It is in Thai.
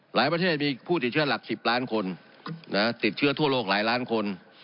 ประเทศมีผู้ติดเชื้อหลัก๑๐ล้านคนติดเชื้อทั่วโลกหลายล้านคน